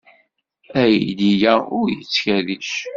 Aydi-a ur yettkerric.